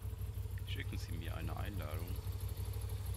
Schicken Sie mir eine Einladung?